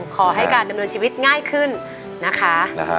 ขอให้การดำเนินชีวิตง่ายขึ้นนะคะ